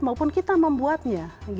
maupun kita membuatnya